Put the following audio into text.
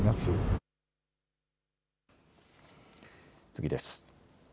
次です。